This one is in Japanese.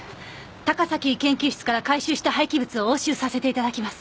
高崎研究室から回収した廃棄物を押収させて頂きます。